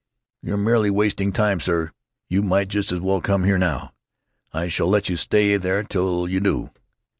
You're merely wasting time, sir. You might just as well come here now. I shall let you stay there till you do."